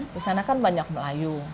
di sana kan banyak melayu